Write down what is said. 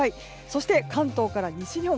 そして、関東から西日本